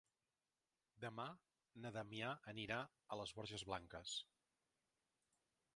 Demà na Damià anirà a les Borges Blanques.